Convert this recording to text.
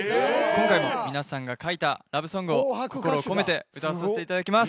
今回も皆さんが書いたラブソングを心を込めて歌わさせていただきます。